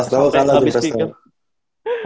pas tau kan abis pikir